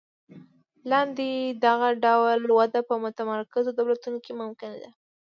لاندې دغه ډول وده په متمرکزو دولتونو کې ممکنه ده.